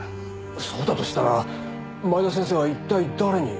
そうだとしたら前田先生は一体誰に？